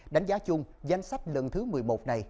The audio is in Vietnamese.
đánh giá chung danh sách lần thứ một mươi một này